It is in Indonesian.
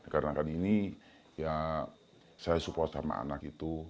karena kan ini ya saya support sama anak itu